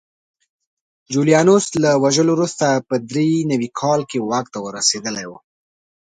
جولیانوس له وژلو وروسته په درې نوي کال کې واک ته رسېدلی و